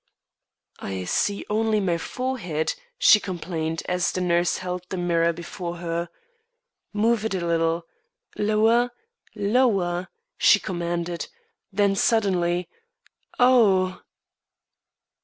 "I see only my forehead," she complained, as the nurse held the mirror before her. "Move it a little. Lower lower," she commanded. Then suddenly "Oh!"